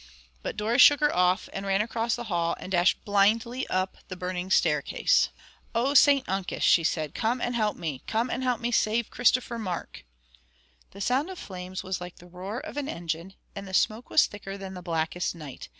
But Doris shook her off and ran across the hall, and dashed blindly up the burning staircase. "Oh, St Uncus!" she said, "come and help me; come and help me to save Christopher Mark." The sound of the flames was like the roar of an engine, and the smoke was thicker than the blackest night.